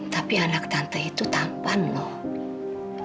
tapi anak tante itu tapan loh